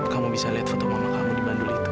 kamu bisa lihat foto mama kamu di bandul itu